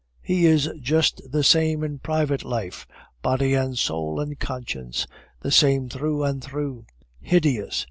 He is just the same in private life body and soul and conscience the same through and through hideous!